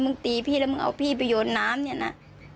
ตีพี่แล้วมึงเอาพี่ไปโยนน้ำเนี่ยนะ